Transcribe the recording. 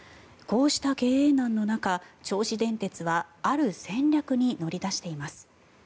こうした経営難の中、銚子電鉄はある戦略に乗り出しています。